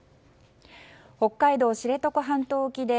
北海道知床半島沖で